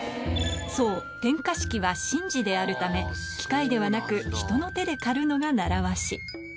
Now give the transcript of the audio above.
そう、点火式は神事であるため、機械ではなく人の手で刈るのが習わし。